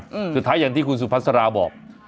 อืมคือท้ายอย่างที่คุณสุภัสราบอก